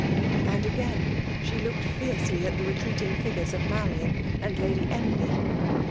'' And again she looked fiercely at the retreating figures of Marian and Lady Emily.